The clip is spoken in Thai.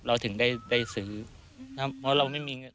เราถึงได้ซื้อนะครับเพราะเราไม่มีเงิน